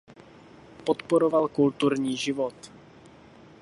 Podporoval kulturní život.